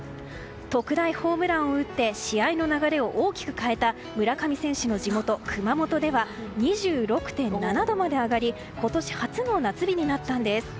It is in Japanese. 特大ホームランを打って試合の流れを大きく変えた村上選手の地元・熊本では２６．７度まで上がり今年初の夏日になったんです。